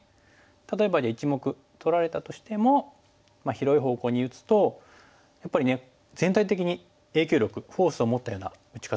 例えば１目取られたとしても広い方向に打つとやっぱりね全体的に影響力フォースを持ったような打ち方になりますよね。